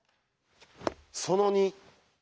その２。